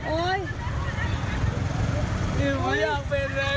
อุ้ยอยากเผ็นเลย